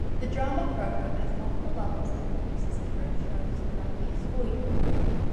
The drama program has multiple levels and produces numerous shows throughout the school year.